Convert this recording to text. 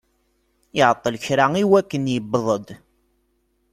Iɛeṭṭel kra i wakken yewweḍ-d.